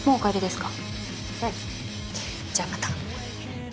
じゃあまた。